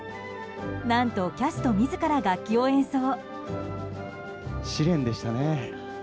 何とキャスト自ら楽器を演奏。